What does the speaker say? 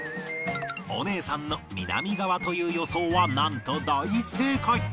お姉さんの南側という予想はなんと大正解